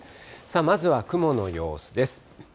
まずは雲の様子です。